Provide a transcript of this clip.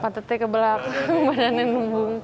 pantatnya ke belakang badannya yang membungkuk